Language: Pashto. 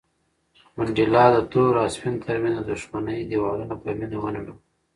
منډېلا د تور او سپین تر منځ د دښمنۍ دېوالونه په مینه ونړول.